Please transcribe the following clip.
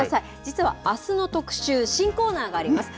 実はあすの特集、新コーナーがあります。